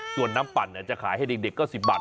ส่วนน้ำปั่นจะขายให้เด็กก็๑๐บาท